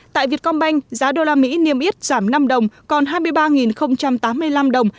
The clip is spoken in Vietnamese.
tại việt công banh giá usd niêm yết giảm năm đồng còn hai mươi ba tám mươi năm đồng